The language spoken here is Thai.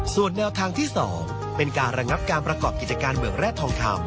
ส่วนแนวทางที่๒เป็นการระงับการประกอบกิจการเมืองแร่ทองคำ